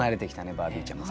バービーちゃんも。